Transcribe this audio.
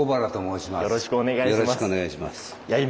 よろしくお願いします。